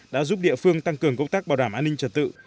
đã giúp địa phương tăng cường công tác bảo đảm an ninh trật tự